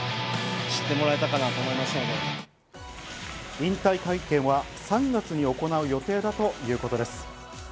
引退会見は３月に行う予定だということです。